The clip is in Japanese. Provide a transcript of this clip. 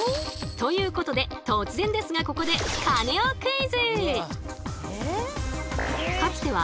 ということで突然ですがここでカネオクイズ！